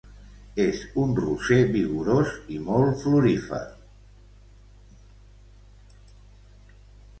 És un roser vigorós i molt florífer.